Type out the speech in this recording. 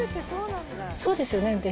そうですよね？